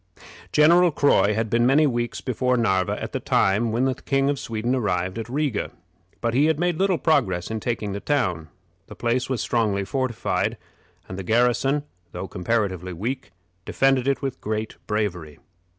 General Croy had been many weeks before Narva at the time when the King of Sweden arrived at Riga, but he had made little progress in taking the town. The place was strongly fortified, and the garrison, though comparatively weak, defended it with great bravery.